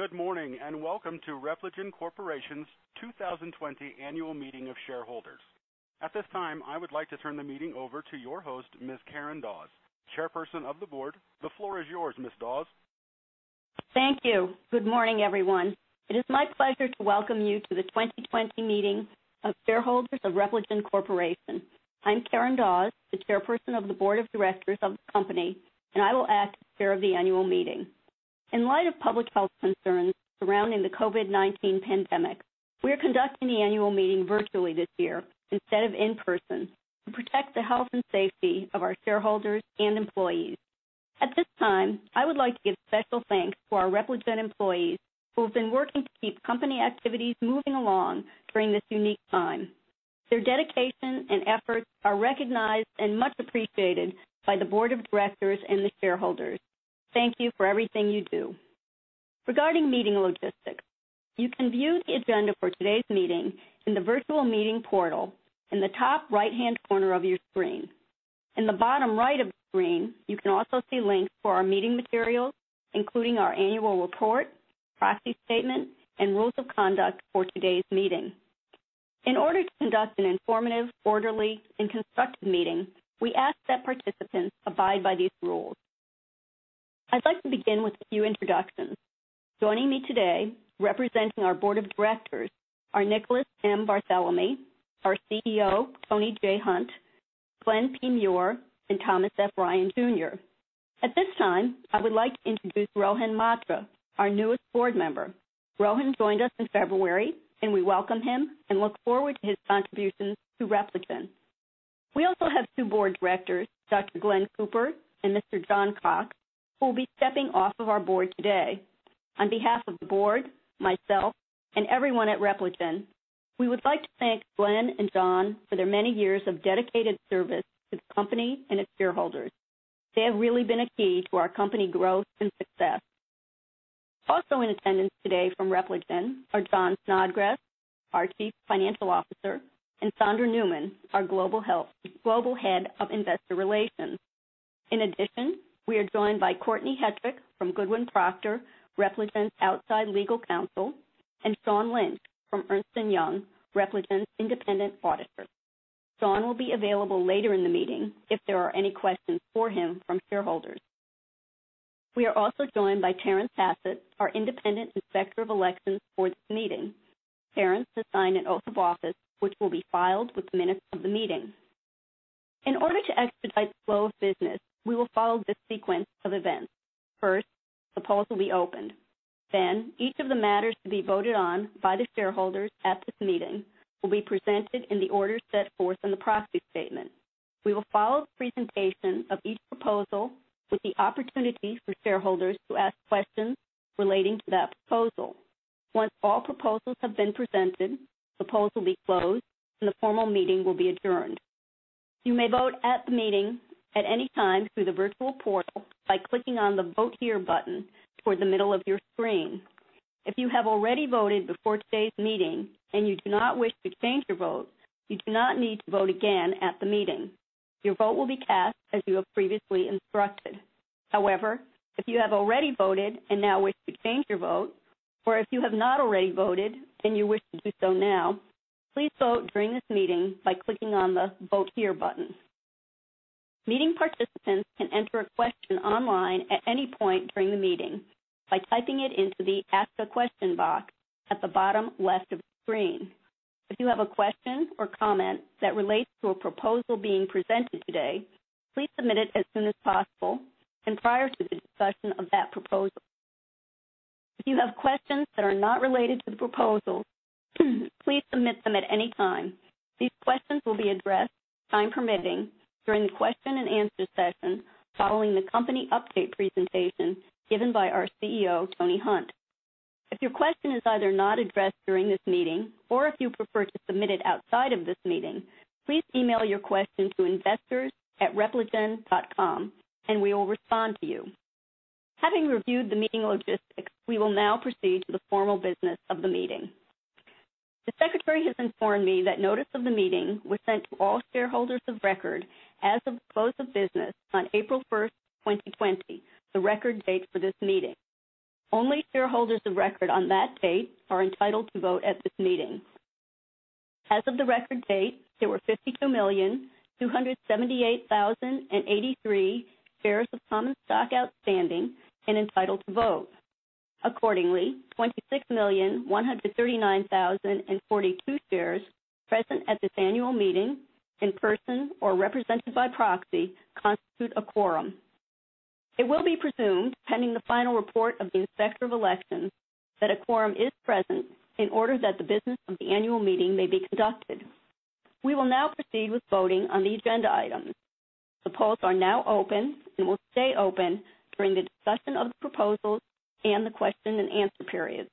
Good morning and welcome to Repligen Corporation's 2020 Annual Meeting of Shareholders. At this time, I would like to turn the meeting over to your host, Ms. Karen Dawes, Chairperson of the Board. The floor is yours, Ms. Dawes. Thank you. Good morning, everyone. It is my pleasure to welcome you to the 2020 Meeting of Shareholders of Repligen Corporation. I'm Karen Dawes, the Chairperson of the Board of Directors of the company, and I will act as Chair of the Annual Meeting. In light of public health concerns surrounding the COVID-19 pandemic, we are conducting the Annual Meeting virtually this year instead of in person to protect the health and safety of our shareholders and employees. At this time, I would like to give special thanks to our Repligen employees who have been working to keep company activities moving along during this unique time. Their dedication and efforts are recognized and much appreciated by the Board of Directors and the shareholders. Thank you for everything you do. Regarding meeting logistics, you can view the agenda for today's meeting in the virtual meeting portal in the top right-hand corner of your screen. In the bottom right of the screen, you can also see links for our meeting materials, including our annual report, proxy statement, and rules of conduct for today's meeting. In order to conduct an informative, orderly, and constructive meeting, we ask that participants abide by these rules. I'd like to begin with a few introductions. Joining me today representing our Board of Directors are Nicholas M. Barthelemy, our CEO Tony J. Hunt, Glenn P. Muir, and Thomas F. Ryan Jr. At this time, I would like to introduce Rohin Mhatre, our newest board member. Rohin joined us in February, and we welcome him and look forward to his contributions to Repligen. We also have two Board Directors, Dr. Glenn Cooper and Mr. John Cox, who will be stepping off of our Board today. On behalf of the board, myself, and everyone at Repligen, we would like to thank Glenn and John for their many years of dedicated service to the company and its shareholders. They have really been a key to our company growth and success. Also in attendance today from Repligen are Jon Snodgres, our Chief Financial Officer, and Sondra Newman, our Global Head of Investor Relations. In addition, we are joined by Courtney Hetrick from Goodwin Procter, Repligen's outside Legal Counsel, and Sean Lynch from Ernst & Young, Repligen's Independent Auditor. Sean will be available later in the meeting if there are any questions for him from shareholders. We are also joined by Terrence Hassett, our Independent Inspector of Elections for this meeting. Terrence has signed an oath of office, which will be filed with the minutes of the meeting. In order to expedite the flow of business, we will follow this sequence of events. First, the polls will be opened. Then, each of the matters to be voted on by the shareholders at this meeting will be presented in the order set forth in the proxy statement. We will follow the presentation of each proposal with the opportunity for shareholders to ask questions relating to that proposal. Once all proposals have been presented, the polls will be closed, and the formal meeting will be adjourned. You may vote at the meeting at any time through the virtual portal by clicking on the "Vote Here" button toward the middle of your screen. If you have already voted before today's meeting and you do not wish to change your vote, you do not need to vote again at the meeting. Your vote will be cast as you have previously instructed. However, if you have already voted and now wish to change your vote, or if you have not already voted and you wish to do so now, please vote during this meeting by clicking on the "Vote Here" button. Meeting participants can enter a question online at any point during the meeting by typing it into the "Ask a Question" box at the bottom left of the screen. If you have a question or comment that relates to a proposal being presented today, please submit it as soon as possible and prior to the discussion of that proposal. If you have questions that are not related to the proposal, please submit them at any time. These questions will be addressed, time permitting, during the question and answer session following the company update presentation given by our CEO, Tony Hunt. If your question is either not addressed during this meeting or if you prefer to submit it outside of this meeting, please email your question to investors@repligen.com, and we will respond to you. Having reviewed the meeting logistics, we will now proceed to the formal business of the meeting. The Secretary has informed me that notice of the meeting was sent to all shareholders of record as of the close of business on April 1st 2020, the record date for this meeting. Only shareholders of record on that date are entitled to vote at this meeting. As of the record date, there were 52,278,083 shares of common stock outstanding and entitled to vote. Accordingly, 26,139,042 shares present at this annual meeting in person or represented by proxy constitute a quorum. It will be presumed, pending the final report of the inspector of elections, that a quorum is present in order that the business of the annual meeting may be conducted. We will now proceed with voting on the agenda items. The polls are now open and will stay open during the discussion of the proposals and the question and answer period.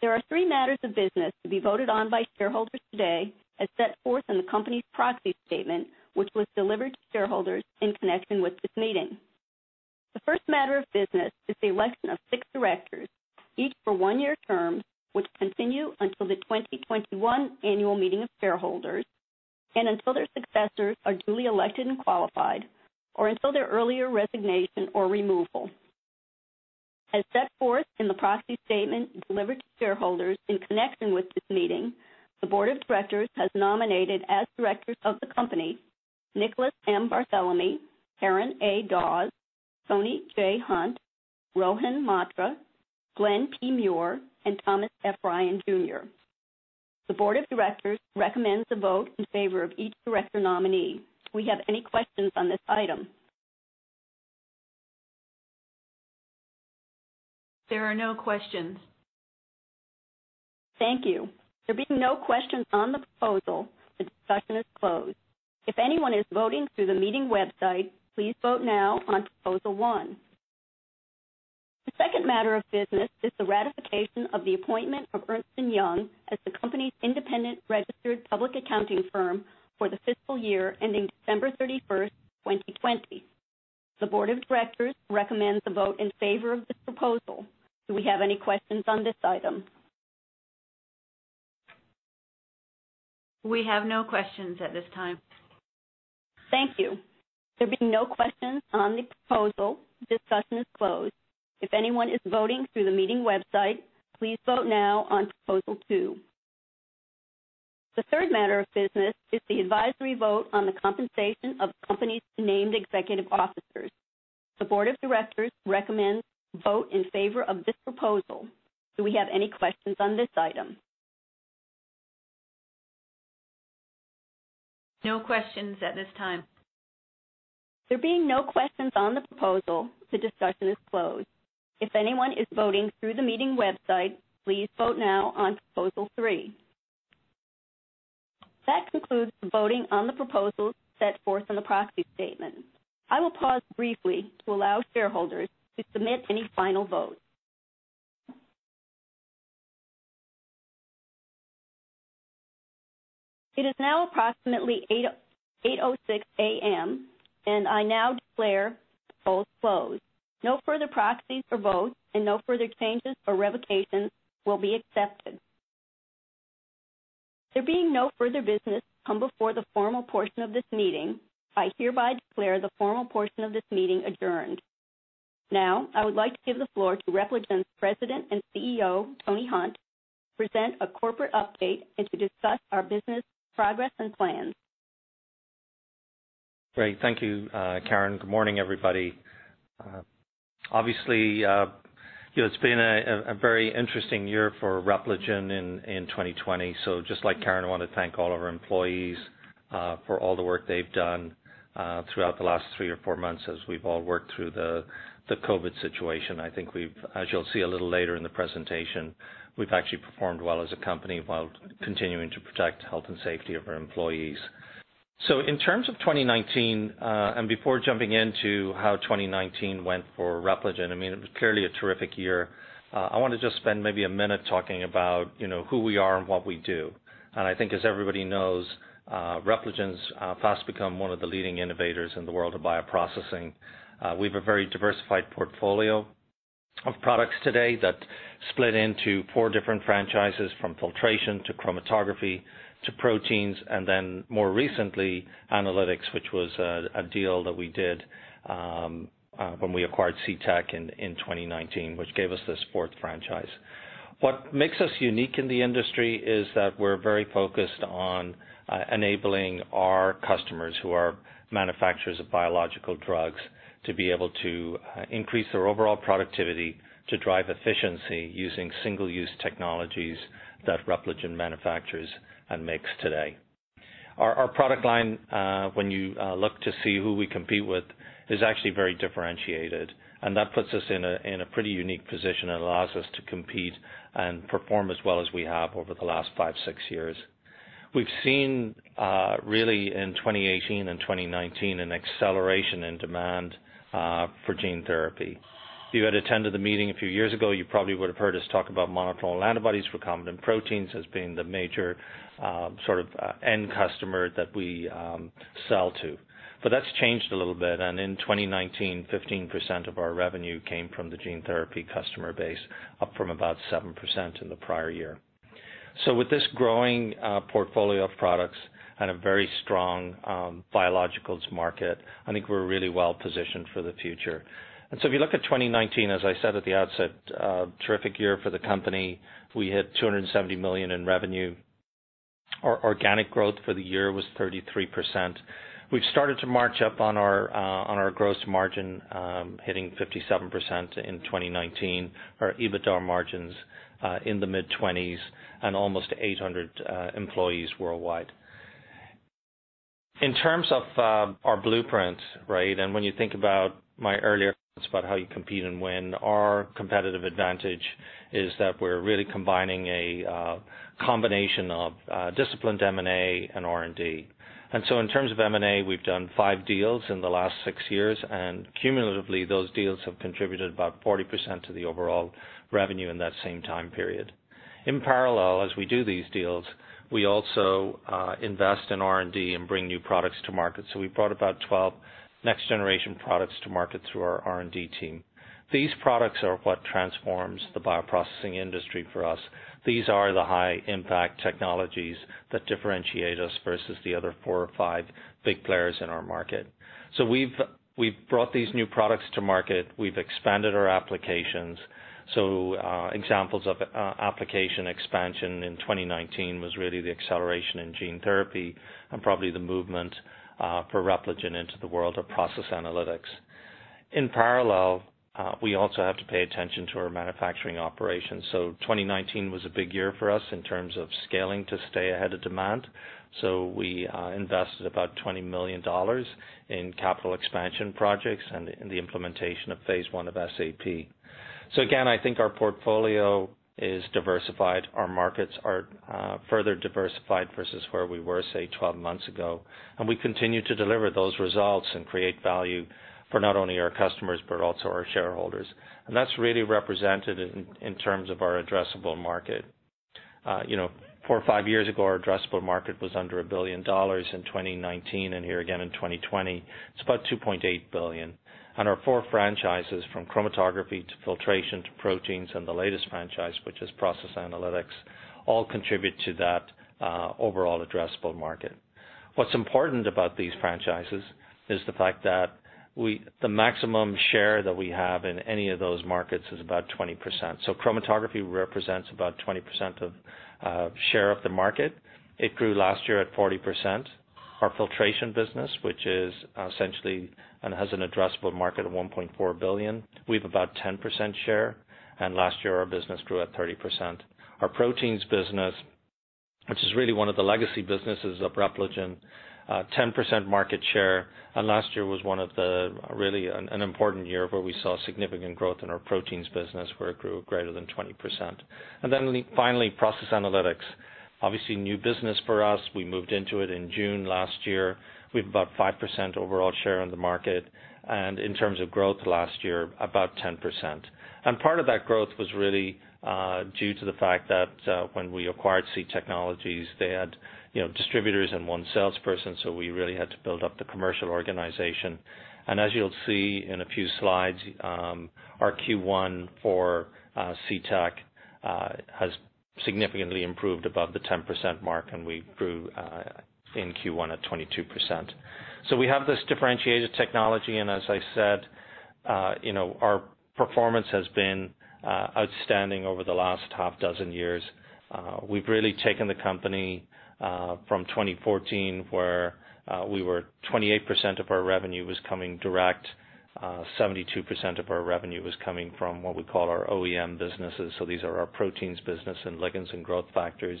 There are three matters of business to be voted on by shareholders today as set forth in the company's proxy statement, which was delivered to shareholders in connection with this meeting. The first matter of business is the election of six directors, each for one-year terms, which continue until the 2021 Annual Meeting of Shareholders and until their successors are duly elected and qualified, or until their earlier resignation or removal. As set forth in the proxy statement delivered to shareholders in connection with this meeting, the Board of Directors has nominated as directors of the company Nicholas M. Barthelemy, Karen A. Dawes, Tony J. Hunt, Rohin Mhatre, Glenn P. Muir, and Thomas F. Ryan Jr. The Board of Directors recommends a vote in favor of each director nominee. Do we have any questions on this item? There are no questions. Thank you. There being no questions on the proposal, the discussion is closed. If anyone is voting through the meeting website, please vote now on proposal one. The second matter of business is the ratification of the appointment of Ernst & Young as the company's independent registered public accounting firm for the fiscal year ending December 31st 2020. The Board of Directors recommends a vote in favor of this proposal. Do we have any questions on this item? We have no questions at this time. Thank you. There being no questions on the proposal, the discussion is closed. If anyone is voting through the meeting website, please vote now on Proposal Two. The third matter of business is the advisory vote on the compensation of the company's named executive officers. The Board of Directors recommends a vote in favor of this proposal. Do we have any questions on this item? No questions at this time. There being no questions on the proposal, the discussion is closed. If anyone is voting through the meeting website, please vote now on proposal three. That concludes the voting on the proposals set forth in the proxy statement. I will pause briefly to allow shareholders to submit any final votes. It is now approximately 8:06 A.M., and I now declare the polls closed. No further proxies or votes and no further changes or revocations will be accepted. There being no further business to come before the formal portion of this meeting, I hereby declare the formal portion of this meeting adjourned. Now, I would like to give the floor to Repligen's President and CEO, Tony Hunt, to present a corporate update and to discuss our business progress and plans. Great. Thank you, Karen. Good morning, everybody. Obviously, it's been a very interesting year for Repligen in 2020. So just like Karen, I want to thank all of our employees for all the work they've done throughout the last three or four months as we've all worked through the COVID situation. I think we've, as you'll see a little later in the presentation, we've actually performed well as a company while continuing to protect health and safety of our employees. So in terms of 2019, and before jumping into how 2019 went for Repligen, I mean, it was clearly a terrific year. I want to just spend maybe a minute talking about who we are and what we do. And I think, as everybody knows, Repligen's fast become one of the leading innovators in the world of bioprocessing. We have a very diversified portfolio of products today that split into four different franchises, from filtration to chromatography to proteins, and then more recently, analytics, which was a deal that we did when we acquired C Technologies in 2019, which gave us this fourth franchise. What makes us unique in the industry is that we're very focused on enabling our customers who are manufacturers of biological drugs to be able to increase their overall productivity, to drive efficiency using single-use technologies that Repligen manufactures and makes today. Our product line, when you look to see who we compete with, is actually very differentiated, and that puts us in a pretty unique position. It allows us to compete and perform as well as we have over the last five, six years. We've seen, really, in 2018 and 2019, an acceleration in demand for gene therapy. If you had attended the meeting a few years ago, you probably would have heard us talk about monoclonal antibodies, recombinant proteins as being the major sort of end customer that we sell to. But that's changed a little bit. And in 2019, 15% of our revenue came from the gene therapy customer base, up from about 7% in the prior year. So with this growing portfolio of products and a very strong biologicals market, I think we're really well positioned for the future. And so if you look at 2019, as I said at the outset, a terrific year for the company. We hit $270 million in revenue. Our organic growth for the year was 33%. We've started to march up on our gross margin, hitting 57% in 2019. Our EBITDA margins are in the mid-20s and almost 800 employees worldwide. In terms of our blueprint, right, and when you think about my earlier comments about how you compete and win, our competitive advantage is that we're really combining a combination of disciplined M&A and R&D. And so in terms of M&A, we've done five deals in the last six years, and cumulatively, those deals have contributed about 40% to the overall revenue in that same time period. In parallel, as we do these deals, we also invest in R&D and bring new products to market. So we brought about 12 next-generation products to market through our R&D team. These products are what transforms the bioprocessing industry for us. These are the high-impact technologies that differentiate us versus the other four or five big players in our market. So we've brought these new products to market. We've expanded our applications. Examples of application expansion in 2019 was really the acceleration in gene therapy and probably the movement for Repligen into the world of process analytics. In parallel, we also have to pay attention to our manufacturing operations. 2019 was a big year for us in terms of scaling to stay ahead of demand. We invested about $20 million in capital expansion projects and in the implementation of phase one of SAP. So again, I think our portfolio is diversified. Our markets are further diversified versus where we were, say, 12 months ago. We continue to deliver those results and create value for not only our customers but also our shareholders. That's really represented in terms of our addressable market. Four or five years ago, our addressable market was under $1 billion in 2019, and here again in 2020, it's about $2.8 billion. And our four franchises, from chromatography to filtration to proteins and the latest franchise, which is process analytics, all contribute to that overall addressable market. What's important about these franchises is the fact that the maximum share that we have in any of those markets is about 20%. So chromatography represents about 20% of the share of the market. It grew last year at 40%. Our filtration business, which is essentially and has an addressable market of $1.4 billion, we have about a 10% share. And last year, our business grew at 30%. Our proteins business, which is really one of the legacy businesses of Repligen, has a 10% market share. And last year was one of the really important years where we saw significant growth in our proteins business, where it grew greater than 20%. And then finally, process analytics. Obviously, new business for us. We moved into it in June last year. We have about a 5% overall share in the market. And in terms of growth last year, about 10%. And part of that growth was really due to the fact that when we acquired C Technologies, they had distributors and one salesperson. So we really had to build up the commercial organization. And as you'll see in a few slides, our Q1 for C Technologies has significantly improved above the 10% mark, and we grew in Q1 at 22%. So we have this differentiated technology. And as I said, our performance has been outstanding over the last half dozen years. We've really taken the company from 2014, where 28% of our revenue was coming direct, 72% of our revenue was coming from what we call our OEM businesses. So these are our proteins business and ligands and growth factors.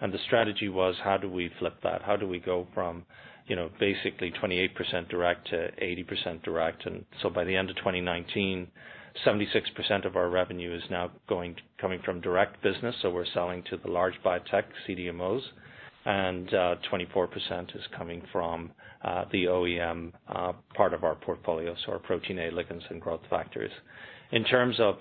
The strategy was, how do we flip that? How do we go from basically 28% direct to 80% direct? And so by the end of 2019, 76% of our revenue is now coming from direct business. So we're selling to the large biotech CDMOs. And 24% is coming from the OEM part of our portfolio, so our Protein A ligands and growth factors. In terms of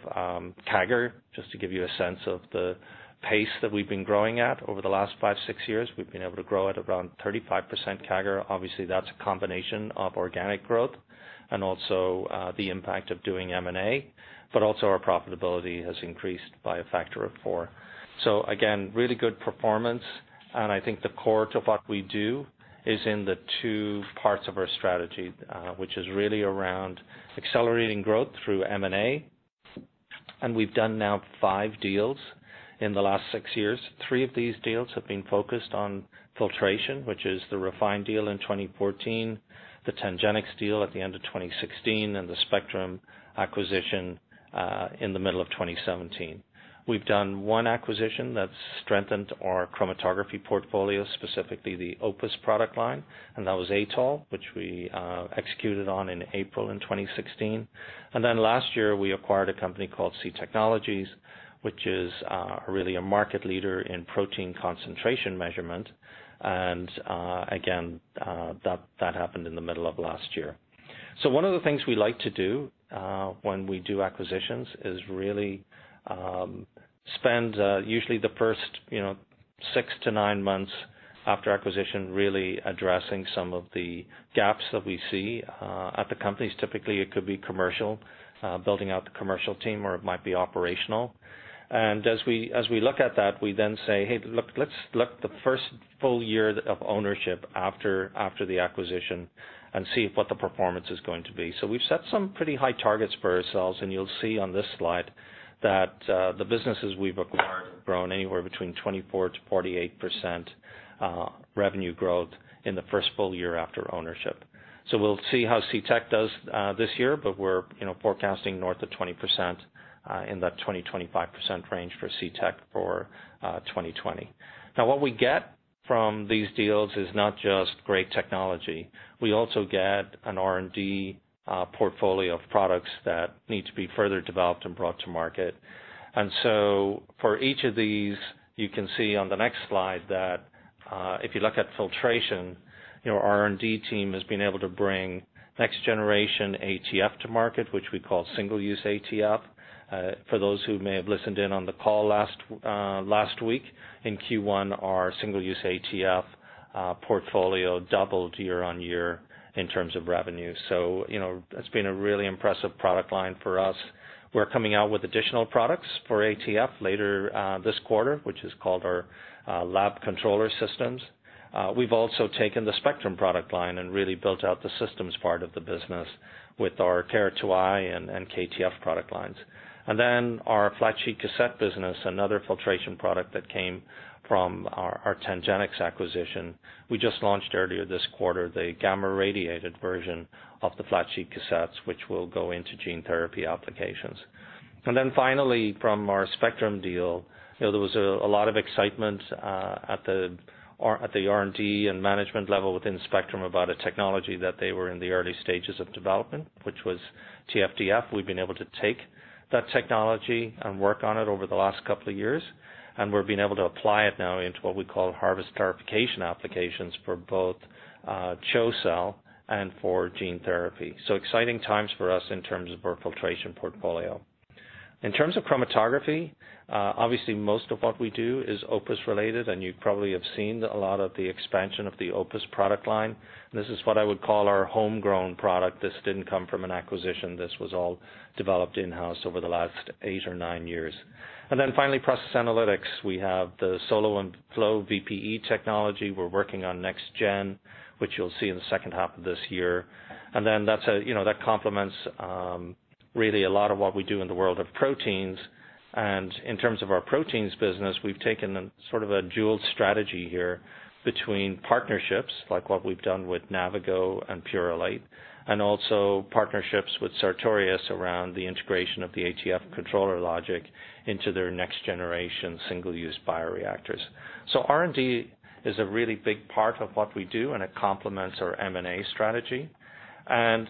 CAGR, just to give you a sense of the pace that we've been growing at over the last five, six years, we've been able to grow at around 35% CAGR. Obviously, that's a combination of organic growth and also the impact of doing M&A. But also, our profitability has increased by a factor of four. So again, really good performance. I think the core to what we do is in the two parts of our strategy, which is really around accelerating growth through M&A. We've done now five deals in the last six years. Three of these deals have been focused on filtration, which is the Refine deal in 2014, the TangenX deal at the end of 2016, and the Spectrum acquisition in the middle of 2017. We've done one acquisition that's strengthened our chromatography portfolio, specifically the Opus product line. That was Atoll, which we executed on in April in 2016. Last year, we acquired a company called C Technologies, which is really a market leader in protein concentration measurement. Again, that happened in the middle of last year. So one of the things we like to do when we do acquisitions is really spend usually the first six to nine months after acquisition really addressing some of the gaps that we see at the companies. Typically, it could be commercial, building out the commercial team, or it might be operational, and as we look at that, we then say, "Hey, look, let's look at the first full year of ownership after the acquisition and see what the performance is going to be," so we've set some pretty high targets for ourselves, and you'll see on this slide that the businesses we've acquired have grown anywhere between 24%-48% revenue growth in the first full year after ownership, so we'll see how C Technologies does this year, but we're forecasting north of 20% in that 20%-25% range for C Technologies for 2020. Now, what we get from these deals is not just great technology. We also get an R&D portfolio of products that need to be further developed and brought to market. And so for each of these, you can see on the next slide that if you look at filtration, our R&D team has been able to bring next-generation ATF to market, which we call single-use ATF. For those who may have listened in on the call last week, in Q1, our single-use ATF portfolio doubled year on year in terms of revenue. So it's been a really impressive product line for us. We're coming out with additional products for ATF later this quarter, which is called our lab controller systems. We've also taken the Spectrum product line and really built out the systems part of the business with our KrosFlo KR2i and KrosFlo TFF product lines. Our flat sheet cassette business, another filtration product that came from our TangenX acquisition. We just launched earlier this quarter the gamma-irradiated version of the flat sheet cassettes, which will go into gene therapy applications. Finally, from our Spectrum deal, there was a lot of excitement at the R&D and management level within Spectrum about a technology that they were in the early stages of development, which was TFDF. We've been able to take that technology and work on it over the last couple of years. We've been able to apply it now into what we call harvest clarification applications for both CHO cells and for gene therapy. Exciting times for us in terms of our filtration portfolio. In terms of chromatography, obviously, most of what we do is Opus-related. You probably have seen a lot of the expansion of the Opus product line. This is what I would call our homegrown product. This didn't come from an acquisition. This was all developed in-house over the last eight or nine years. And then finally, process analytics. We have the SoloVPE and FlowVPE technology. We're working on next-gen, which you'll see in the second half of this year. And then that complements really a lot of what we do in the world of proteins. And in terms of our proteins business, we've taken sort of a dual strategy here between partnerships like what we've done with Navigo and Purolite, and also partnerships with Sartorius around the integration of the ATF controller logic into their next-generation single-use bioreactors. So R&D is a really big part of what we do, and it complements our M&A strategy. When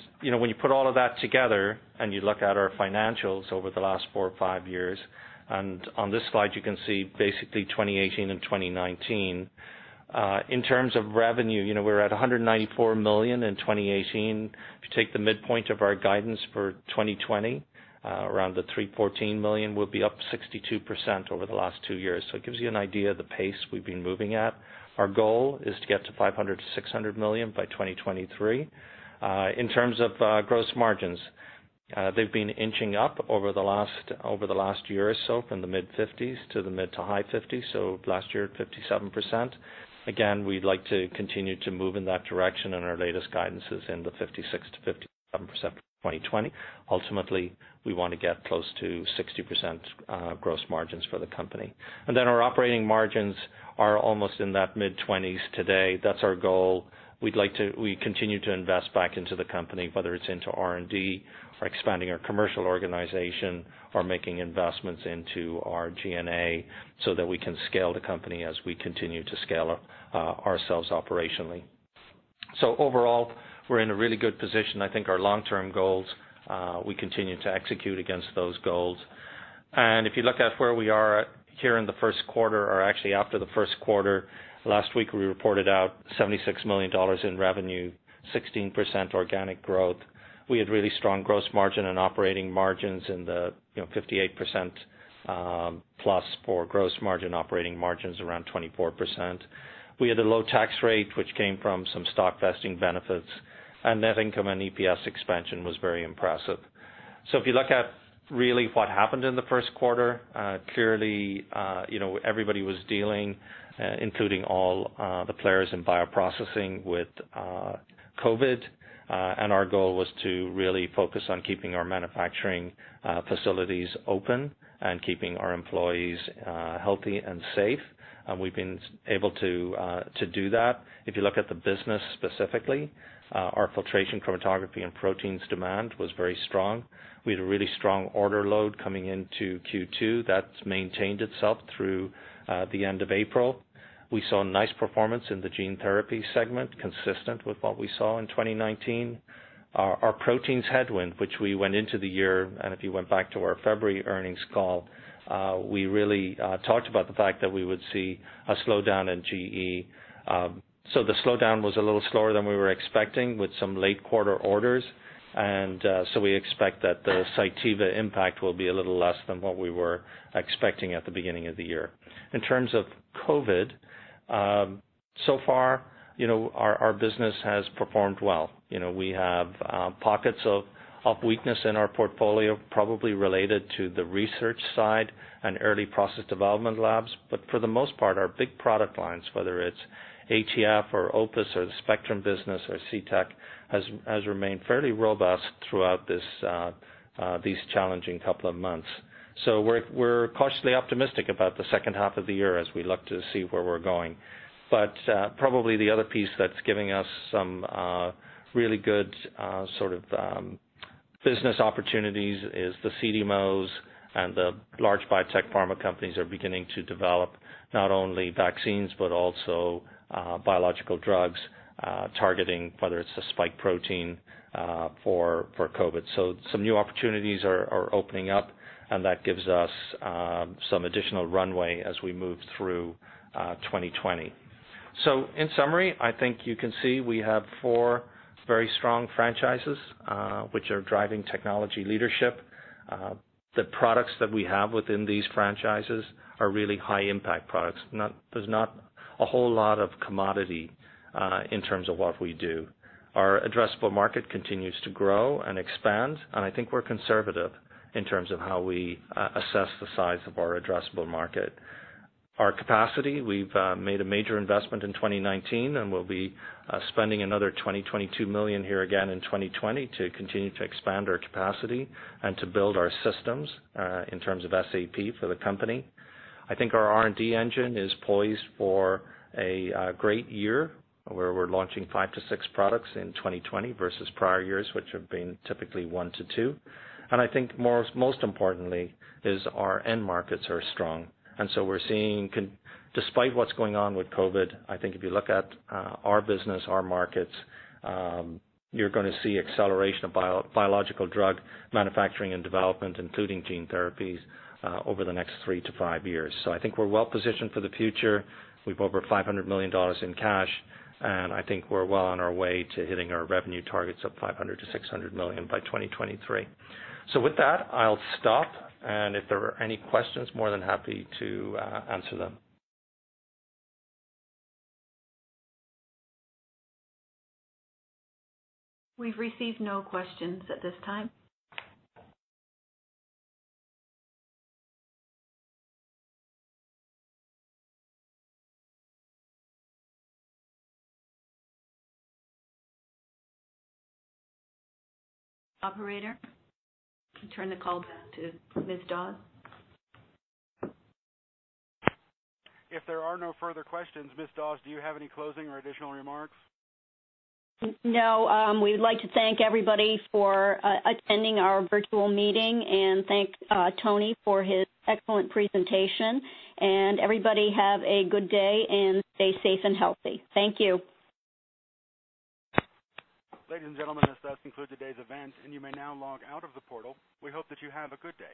you put all of that together and you look at our financials over the last four or five years, and on this slide, you can see basically 2018 and 2019. In terms of revenue, we're at $194 million in 2018. If you take the midpoint of our guidance for 2020, around the $314 million, we'll be up 62% over the last two years. So it gives you an idea of the pace we've been moving at. Our goal is to get to $500 million-$600 million by 2023. In terms of gross margins, they've been inching up over the last year or so from the mid-50s to the mid to high 50s. So last year, 57%. Again, we'd like to continue to move in that direction, and our latest guidance is in the 56%-57% for 2020. Ultimately, we want to get close to 60% gross margins for the company, and then our operating margins are almost in that mid-20s today. That's our goal. We continue to invest back into the company, whether it's into R&D or expanding our commercial organization or making investments into our G&A so that we can scale the company as we continue to scale ourselves operationally, so overall, we're in a really good position. I think our long-term goals, we continue to execute against those goals, and if you look at where we are here in the first quarter or actually after the first quarter, last week, we reported out $76 million in revenue, 16% organic growth. We had really strong gross margin and operating margins in the 58% plus for gross margin operating margins, around 24%. We had a low tax rate, which came from some stock vesting benefits. Net income and EPS expansion was very impressive. If you look at really what happened in the first quarter, clearly, everybody was dealing, including all the players in bioprocessing, with COVID. Our goal was to really focus on keeping our manufacturing facilities open and keeping our employees healthy and safe. We've been able to do that. If you look at the business specifically, our filtration, chromatography, and proteins demand was very strong. We had a really strong order load coming into Q2 that maintained itself through the end of April. We saw nice performance in the gene therapy segment, consistent with what we saw in 2019. Our proteins headwind, which we went into the year, and if you went back to our February earnings call, we really talked about the fact that we would see a slowdown in GE. The slowdown was a little slower than we were expecting with some late quarter orders. We expect that the Cytiva impact will be a little less than what we were expecting at the beginning of the year. In terms of COVID, so far, our business has performed well. We have pockets of weakness in our portfolio, probably related to the research side and early process development labs. For the most part, our big product lines, whether it's ATF or Opus or the Spectrum business or C Technologies, has remained fairly robust throughout these challenging couple of months. We're cautiously optimistic about the second half of the year as we look to see where we're going. But probably the other piece that's giving us some really good sort of business opportunities is the CDMOs and the large biotech pharma companies are beginning to develop not only vaccines but also biological drugs targeting, whether it's a spike protein for COVID-19. So some new opportunities are opening up, and that gives us some additional runway as we move through 2020. So in summary, I think you can see we have four very strong franchises which are driving technology leadership. The products that we have within these franchises are really high-impact products. There's not a whole lot of commodity in terms of what we do. Our addressable market continues to grow and expand. And I think we're conservative in terms of how we assess the size of our addressable market. Our capacity, we've made a major investment in 2019, and we'll be spending another $20 million-22 million here again in 2020 to continue to expand our capacity and to build our systems in terms of SAP for the company. I think our R&D engine is poised for a great year where we're launching five to six products in 2020 versus prior years, which have been typically one to two. And I think most importantly is our end markets are strong. And so we're seeing, despite what's going on with COVID, I think if you look at our business, our markets, you're going to see acceleration of biological drug manufacturing and development, including gene therapies, over the next three to five years. So I think we're well positioned for the future. We've over $500 million in cash. I think we're well on our way to hitting our revenue targets of $500 million-$600 million by 2023. With that, I'll stop. If there are any questions, more than happy to answer them. We've received no questions at this time. Operator, turn the call back to Ms. Dawes. If there are no further questions, Ms. Dawes, do you have any closing or additional remarks? No. We'd like to thank everybody for attending our virtual meeting and thank Tony for his excellent presentation. And everybody have a good day and stay safe and healthy. Thank you. Ladies and gentlemen, this does conclude today's event, and you may now log out of the portal. We hope that you have a good day.